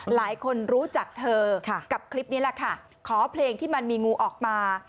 หลายคนรู้จักเธอกับคลิปนี้แหละค่ะขอเพลงที่มันมีงูออกมา